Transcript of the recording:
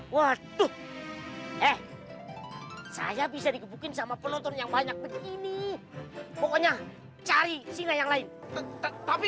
waduh eh saya bisa dikebukin sama penonton yang banyak begini pokoknya cari singa yang lain tapi